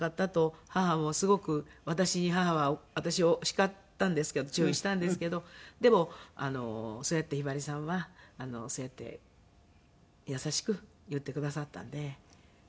母もすごく私に母は私を叱ったんですけど注意したんですけどでもそうやってひばりさんはそうやって優しく言ってくださったんで。